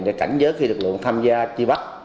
để cảnh giới khi lực lượng tham gia chi bắt